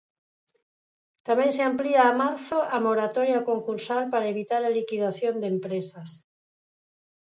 Tamén se amplía a marzo a moratoria concursal para evitar a liquidación de empresas.